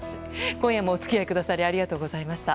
今夜も付き合いくださりありがとうございました。